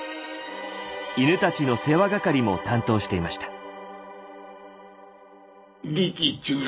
犬たちの世話係も担当していました。